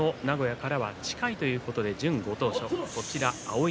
この名古屋からは近いということで準ご当所。